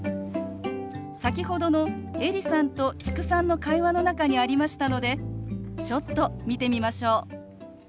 先ほどのエリさんと知久さんの会話の中にありましたのでちょっと見てみましょう。